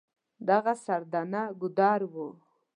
دغه سردنه ګودر و.